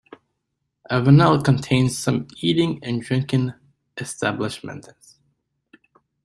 Avenal contains some eating and drinking establishments.